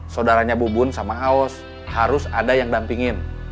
saudaranya bu bun sama haus harus ada yang dampingin